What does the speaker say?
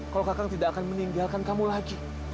kalau kakak tidak akan meninggalkan kamu lagi